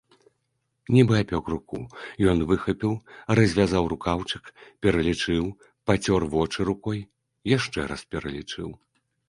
Нібы апёк руку, ён выхапіў, развязаў рукаўчык, пералічыў, пацёр вочы рукой, яшчэ раз пералічыў.